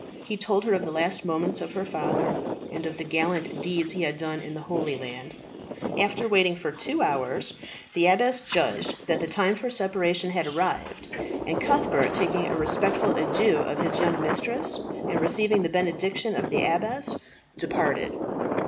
He told her of the last moments of her father, and of the gallant deeds he had done in the Holy Land. After waiting for two hours, the abbess judged that the time for separation had arrived; and Cuthbert, taking a respectful adieu of his young mistress, and receiving the benediction of the abbess, departed.